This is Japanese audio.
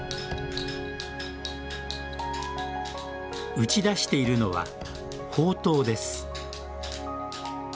打ち出しているのは、宝塔です。